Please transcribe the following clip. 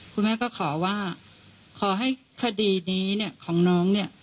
คุณแม่ก็ขอว่าขอให้คดีนี้เนี่ยของน้องเนี่ย